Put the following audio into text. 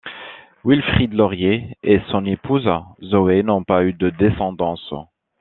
Wilfrid Laurier et son épouse Zoé n'ont pas eu de descendance.